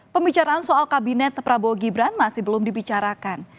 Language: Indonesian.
pembicaraan soal kabinet prabowo gibran masih belum dibicarakan